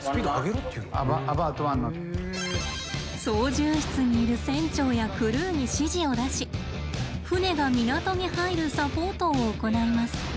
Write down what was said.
操縦室にいる船長やクルーに指示を出し船が港に入るサポートを行います。